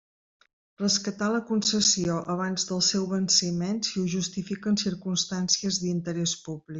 Rescatar la concessió abans del seu venciment si ho justifiquen circumstàncies d'interès públic.